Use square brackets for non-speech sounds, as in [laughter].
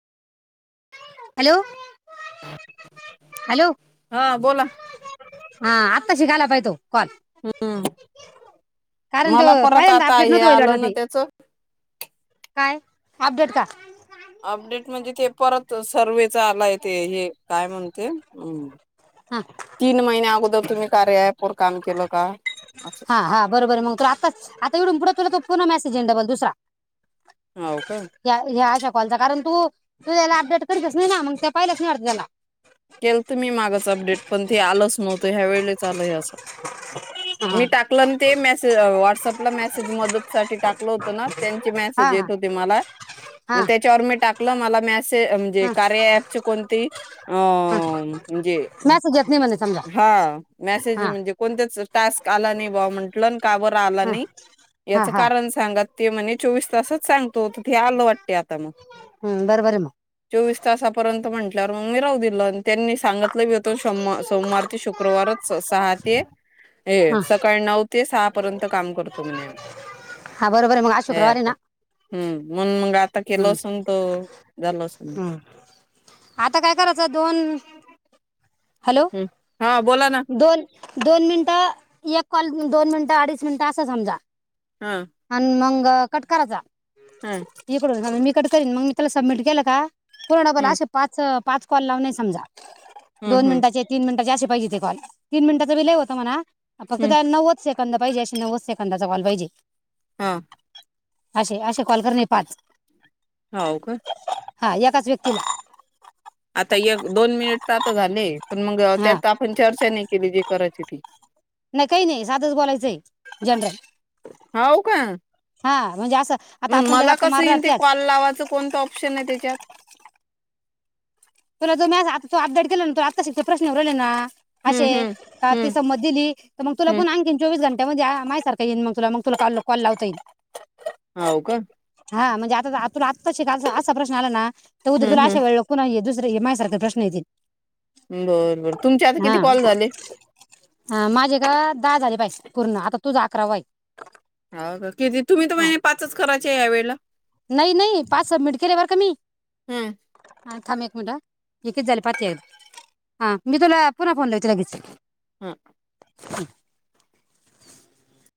hello हा बोला आ आत्ता शिकायला पाहिजे तो कॉल हम्म कारण तो मला परत पहिल्यांदा आता अपडेट हे न्हवत होय झालं आलं ना ते त्याच काय अपडेट का अपडेट म्हणजे ते परत सर्वेचा आलाय ते हे काय म्हणते अ हा तीन महिन्या अगोदर तुम्ही कार्या ऍप वर काम केलं का असं हा हा बरोबर झेंडा पण दुसरा हो का ह्या ह्या हाय शक कॉलचा कारण तू तू त्याला अपडेट करीतच नाही ना मग त्या पाहिल्याच नाही वाटत त्याला केलत मी मागच अपडेट ते आलंच नव्हतं या वेळेच आलय असं मी टाकलंन ते मेसे अ वा संपला मेसेज मदत साठी टाकलं होत ना त्यांचे हा मेसेज हा येत होते मला हा हा मग त्याच्यावर मी टाकलं मला मेसे अ म्हणजे हा कार्य ऍप चे कोणतेही अ म्ह म्हणजे मॅसेज येत नाही म्हणे समजा हा मॅसेज हा म्हणजे कोणतेच टास्क काल आणि बा म्हटलंन का बर आला हा नाही हा याच हा कारण सांगा ते म्हणे का चोवीस तासच सांगतो तू ते आलं वाट ते आता मग हम्म बरोबर आहे मग चोवीस तासापर्यंत म्हणजे [unintelligible] मी राहू दिलं आणि त्यांनी सांगतलंय वेत तो शोमवार, सोमवार ते शुक्रवारच स-सहा ते ये हा सकाळी नऊ ते ते सहा पर्यंत काम करतो म्हणे आम्ही हा बरोबर ये मग आज हे शुक्रवार ये आपण ना हम्म म्हणून मग आता केल हम्म असून तो झाल असली हम्म आता काय करायचं दोन हॅलो हम्म हा बोला ना दोन दोन मिनिटं एक कॉल दोन मिनिटं अडीच मिनिटं असं समजा हा अन मंग अ कट कराचा हा [unintelligible] कट करीन मग मी तूला सबमिट केलं का हो डबल हम्म असे पाच अ पाच कॉल लावने समजा हम्म दोन हम्म मिनिटाचे तीन मिनटाचे असे पाहिजे ते कॉल तीन मिनिटाच बी लय होत म्हणा आप फक्त हम्म त्या नवच शक कंद पाहिजे अशी नव्वद सेकंदाचा कॉल पाहिजे हा अशे अशे कॉल करणे पाच हाव का हा एकाच व्यक्तीला आता एक दोन मिनिट तर आता झाले पण मग हा त्यात आपण चर्चा नाही केली जी करायची ती नाही काही नाही साधच बोलायचंय जनरल हाऊ का हा म्हणजे असं आता मग आपण ज्या मला गप्पा कस मारणार येईन ते त्याच कॉल लावाचं कोणतं ऑप्शन आहे तेच्यात तुला जो मेसे आता तो अपडेट केला ना तो आत्ताशि ते प्रश्न येऊन राहिले ना अशे हम्म हम्म ती हम्म समत दिली तर मग तुला हम्म पण आणखीन चोवीस जण त्या म्हणजे आ माझ सारख येईन मग तुला मग तुला कॉल, कॉल लावता येईल हाव का हा म्हणजे आता तुला आत्ताशिक असा असा प्रश्न आला ना तर उद्या तुला हम्म अशे वेळेला कोण आहे दुस जरा ये माझ्यासारखं प्रश्न येतील बर बर तुमचे आता हा किती कॉल झाले हा, माझे का दहा झाले पूर्ण आता तुझ अकराव आहे हो का किती तुम्ही तर म्हणे पाचच करायचे या वेळेला नाही नाही पाच सबमिट केले बरं का मी हम हा, थांब एक मिंट ह हे किती झाले पाहते आहे हां मी तुला पुन्हा फोन लाविते लगेच हम [inaudible] ह